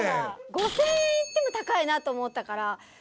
５，０００円いっても高いなと思ったから。